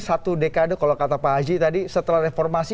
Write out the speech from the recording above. satu dekade kalau kata pak haji tadi setelah reformasi